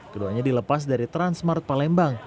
keduanya dilepas dari transmart palembang